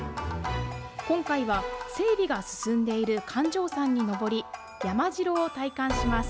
今回は、整備が進んでいる感状山に登り、山城を体感します。